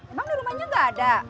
emang di rumahnya nggak ada